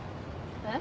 えっ？